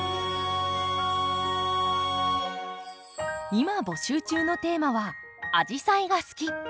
今募集中のテーマは「アジサイが好き！」。